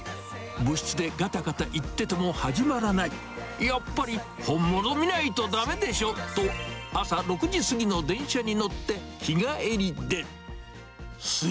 部室でがたがた言ってても始まらない、やっぱり本物見ないとだめでしょと、朝６時過ぎの電車に乗って、日帰りで。